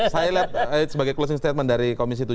saya lihat sebagai closing statement dari komisi tujuh